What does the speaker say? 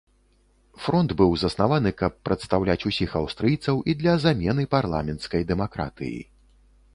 Фронт быў заснаваны, каб прадстаўляць ўсіх аўстрыйцаў і для замены парламенцкай дэмакратыі.